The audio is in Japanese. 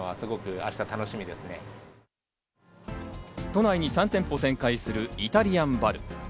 都内に３店舗展開するイタリアンバル。